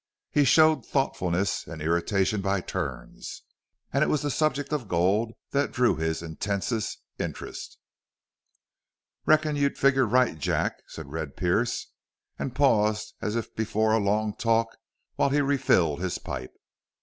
He showed thoughtfulness and irritation by turns, and it was the subject of gold that drew his intensest interest. "Reckon you figgered right, Jack," said Red Pearce, and paused as if before a long talk, while he refilled his pipe.